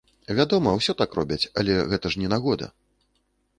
Вядома, усё так робяць, але гэта ж не нагода!